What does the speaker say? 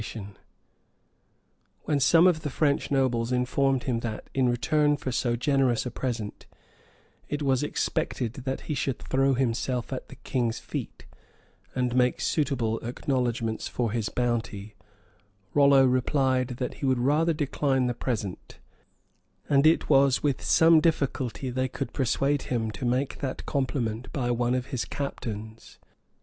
Neust. p. 417.] When some of the French nobles informed him that, in return for so generous a present, it was expected that he should throw himself at the king's feet, and make suitable acknowledgments for his bounty, Rollo replied, that he would rather decline the present; and it was with some difficulty they could persuade him to make that compliment by one of his captains.